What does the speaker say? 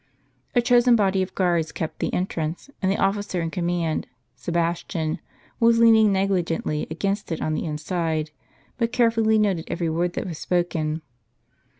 A chosen body of guards kept the entrance ; and the officer in command, Sebastian, was leaning negligently against it on the inside, but carefully noted every word that was spoken.